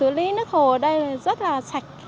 xử lý nước hồ ở đây rất là sạch